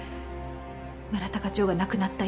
村田課長が亡くなった